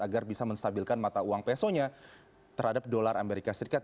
agar bisa menstabilkan mata uang pesonya terhadap dolar amerika serikat